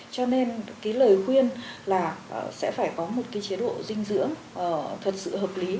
cho nên cái lời khuyên là sẽ phải có một cái chế độ dinh dưỡng thật sự hợp lý